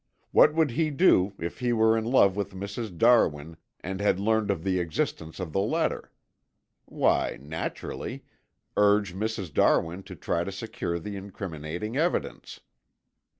What would he do if he were in love with Mrs. Darwin and had learned of the existence of the letter. Why, naturally urge Mrs. Darwin to try to secure the incriminating evidence.